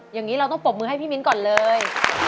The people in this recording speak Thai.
อย่างนี้เราต้องปรบมือให้พี่มิ้นก่อนเลย